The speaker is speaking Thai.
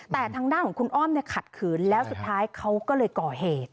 แต่ทางด้านของคุณอ้อมขัดขืนแล้วสุดท้ายเขาก็เลยก่อเหตุ